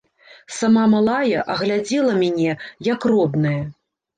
Сама малая, а глядзела мяне, як родная.